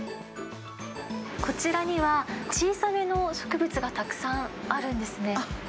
こちらには、小さめの植物がたくさんあるんですね。